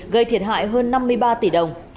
gây thiệt hại hơn năm mươi ba tỷ đồng